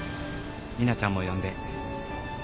ミナちゃんも呼んで。